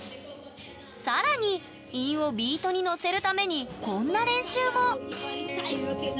更に韻をビートにのせるためにこんな練習も！